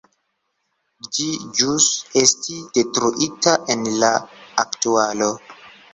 Ĝi ĵus esti detruita en la aktualo.